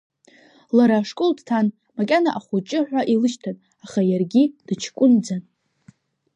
Лара ашкол дҭан, макьана ахәыҷы ҳәа илышьҭан, аха иаргьы дыҷкәынӡан.